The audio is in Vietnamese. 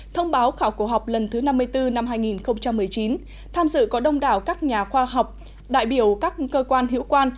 thông báo khảo cổ học lần thứ năm mươi bốn năm hai nghìn một mươi chín tham dự có đông đảo các nhà khoa học đại biểu các cơ quan hiệu quan